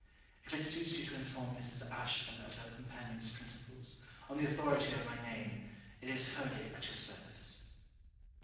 If it suits you to inform Mrs. Ashburn of her companion's principles, on the authority of my name, it is wholly at your service.